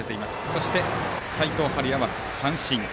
そして齋藤敏哉は三振。